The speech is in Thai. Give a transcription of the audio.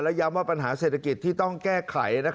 ย้ำว่าปัญหาเศรษฐกิจที่ต้องแก้ไข